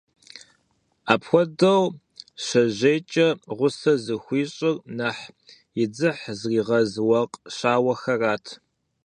Апхуэдэу щежьэкӀэ гъусэ зыхуищӀыр нэхъ и дзыхь зригъэз уэркъ щауэхэрат.